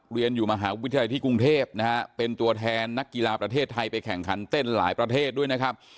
เรียนอยู่มหาวิทยาลัยที่กรุงเทพนะฮะเป็นตัวแทนนักกีฬาประเทศไทยไปแข่งขันเต้นหลายประเทศด้วยนะครับ